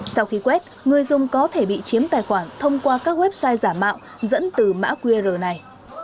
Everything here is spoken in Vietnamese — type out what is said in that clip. sau khi quét người dùng có thể bị chiếm tài khoản thông qua các website giả mạo dẫn từ mã qr này